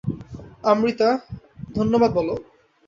আমৃতা, ধন্যবাদ বল।